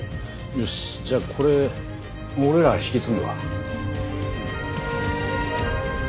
よしじゃあこれ俺らが引き継ぐわ。